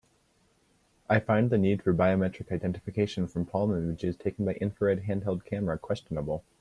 I find the need for biometric identification from palm images taken by infrared handheld camera questionable.